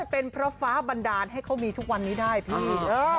เป็นเพราะฟ้าบันดาลให้เขามีทุกวันนี้ได้พี่